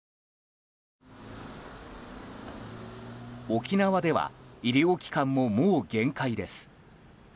沖縄では医療機関ももう限界です。